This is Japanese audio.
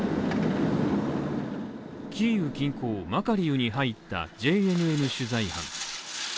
キーウ近郊マカリウに入ったＪＮＮ取材班。